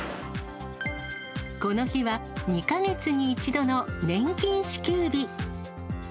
この日は２か月に１度の年金支給日。